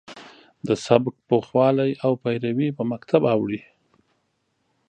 د سبک پوخوالی او پیروي په مکتب اوړي.